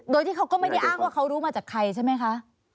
โดยที่เขาก็ไม่ได้อ้างว่าเขารู้มาจากใครใช่ไหมคะ